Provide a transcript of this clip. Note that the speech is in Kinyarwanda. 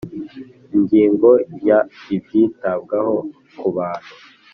Ingingo ya Ibyitabwaho ku bantu